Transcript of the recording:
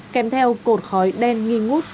kèm theo cột khói đen nghi ngút